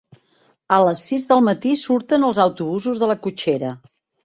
A les sis del matí surten els autobusos de la cotxera.